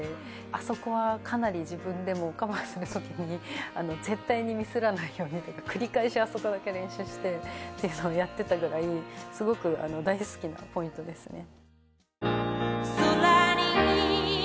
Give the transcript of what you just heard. あそこはかなり自分でもカバーするときに絶対ミスらないように繰り返しあそこだけ練習してってやってたぐらいすごく大好きなポイントですね。